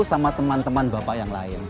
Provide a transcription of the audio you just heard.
sama teman teman bapak yang lain